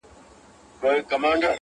سترگو کي باڼه له ياده وباسم”